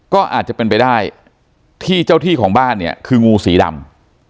ก็อาจจะเป็นไปได้ที่เจ้าที่ของบ้านเนี่ยคืองูสีดำ